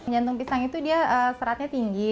jantung pisang itu dia seratnya tinggi